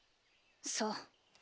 そう。